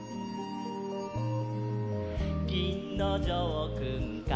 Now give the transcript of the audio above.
「ぎんのじょうくんから」